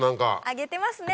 揚げてますね。